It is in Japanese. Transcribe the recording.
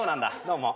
どうも。